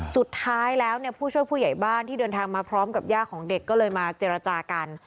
สุดท้ายแล้วเนี่ยผู้ช่วยผู้ใหญ่บ้านที่เดินทางมาพร้อมกับย่าของเด็กก็เลยมาเจรจากัน